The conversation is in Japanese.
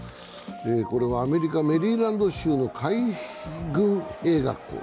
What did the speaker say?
これはアメリカ・メリーランド州の海軍兵学校。